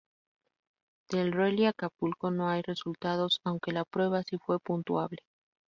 Del Rally Acapulco no hay resultados, aunque la prueba sí fue puntuable.